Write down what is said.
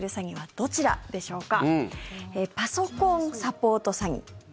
どちらでしょうか。